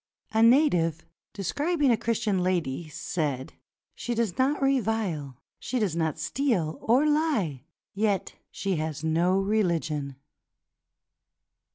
A native, describing a Christian lady, said, *'She does not revile, she does not steal or lie, yet she has no reUgion."